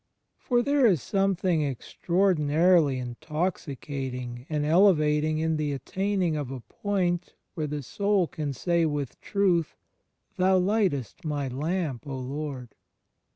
For there is something extraordinarily intoxicating and elevating in the attaining of a point where the soul can say with truth, "Thou lightest my lamp, Lord."